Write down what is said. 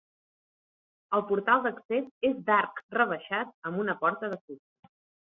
El portal d'accés és d'arc rebaixat amb una porta de fusta.